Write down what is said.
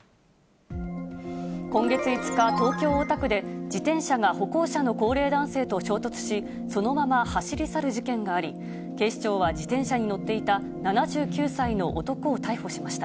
今月５日、東京・大田区で、自転車が歩行者の高齢男性と衝突し、そのまま走り去る事件があり、警視庁は自転車に乗っていた７９歳の男を逮捕しました。